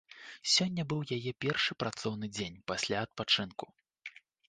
Сёння быў яе першы працоўны дзень пасля адпачынку.